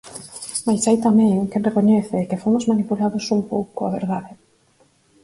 Mais hai, tamén, quen recoñece que "fomos manipulados un pouco, a verdade".